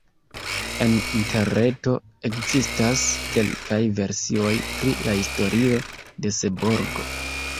En Interreto ekzistas kelkaj versioj pri la historio de Seborgo.